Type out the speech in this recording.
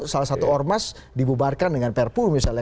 salah satu ormas dibubarkan dengan perpu misalnya